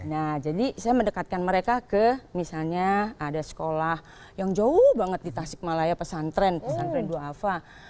nah jadi saya mendekatkan mereka ke misalnya ada sekolah yang jauh banget di tasikmalaya pesantren pesantren ⁇ doafa ⁇